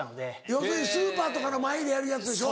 要するにスーパーとかの前でやるやつでしょ。